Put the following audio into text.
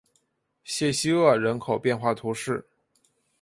谢西厄人口变化图示